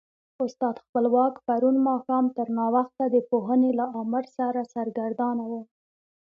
استاد خپلواک پرون ماښام تر ناوخته د پوهنې له امر سره سرګردانه و.